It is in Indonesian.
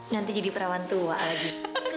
nanti jadi perawan tua lagi